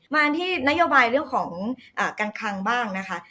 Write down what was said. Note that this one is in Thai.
มาที่นโยบายเรื่องของการคังบ้างนะคะ